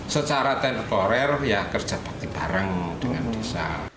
secara tenor korel ya kerja pakai barang dengan desa